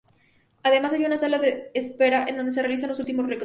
Además, hay una sala de espera donde se realizan los últimos retoques.